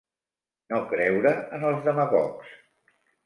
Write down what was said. No creure en els demagogs.